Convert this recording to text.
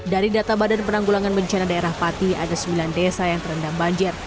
dari data badan penanggulangan bencana daerah pati ada sembilan desa yang terendam banjir